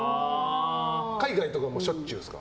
海外とかしょっちゅうですか？